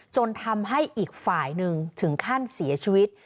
จนทำให้อีกฝ่ายหนึ่งถึงขั้นเสียชีวิต